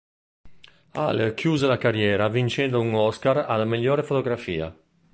Hall chiuse la carriera vincendo un Oscar alla migliore fotografia.